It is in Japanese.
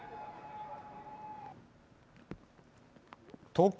東京